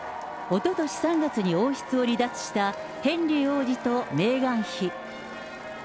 おととし３月に王室を離脱したヘンリー王子とメーガン妃。